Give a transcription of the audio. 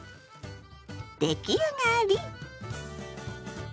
出来上がり！